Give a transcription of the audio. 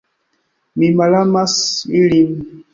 Mi malamas ilin.